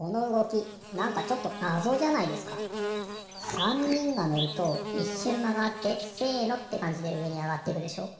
３にんがのるといっしゅんまがあって「せの！」ってかんじでうえにあがっていくでしょ。